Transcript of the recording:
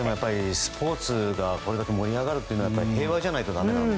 スポーツがこれだけ盛り上がるというのは平和じゃないとだめなので。